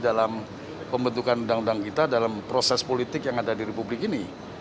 dalam pembentukan undang undang kita dalam proses politik yang ada di republik ini